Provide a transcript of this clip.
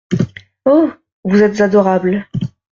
Oh ! vous êtes adorable !